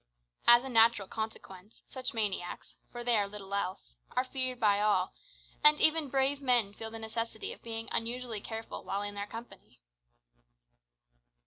As a natural consequence, such maniacs, for they are little else, are feared by all, and even brave men feel the necessity of being unusually careful while in their company.